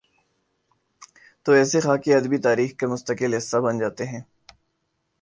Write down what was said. توایسے خاکے ادبی تاریخ کا مستقل حصہ بن جا تے ہیں۔